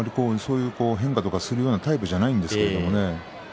変化するタイプじゃないんですけどね。